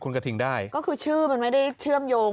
คุณกระทิงได้ก็คือชื่อมันไม่ได้เชื่อมโยง